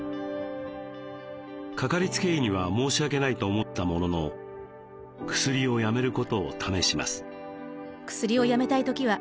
かかりつけ医には申し訳ないと思ったものの薬をやめることを試します。